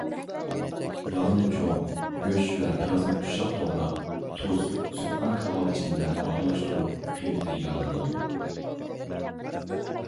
ياغنى چوڭ، گۆش ۋە پىيازنى ئۇششاق توغراپ، تۇز، سوققان كاۋاۋىچىن بىلەن ئارىلاشتۇرۇپ قىيما تەييارلىنىدۇ.